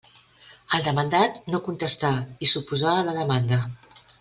El demandat no contestà i s'oposà a la demanda.